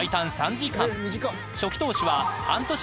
［初期投資は］